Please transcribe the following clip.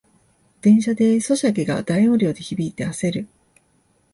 電車でソシャゲが大音量で響いてあせる